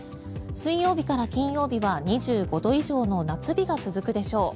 水曜日から金曜日は２５度以上の夏日が続くでしょう。